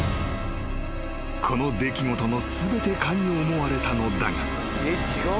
［この出来事の全てかに思われたのだが］